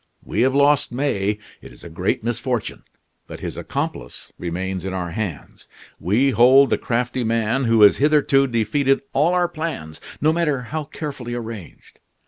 We have lost May; it is a great misfortune; but his accomplice remains in our hands. We hold the crafty man who has hitherto defeated all our plans, no matter how carefully arranged.